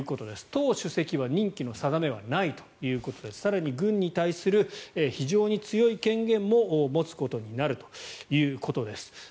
党主席は任期の定めはないということで更に軍に対する非常に強い権限も持つことになるということです。